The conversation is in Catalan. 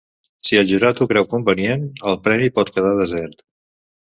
Si el jurat ho creu convenient, el Premi pot quedar desert.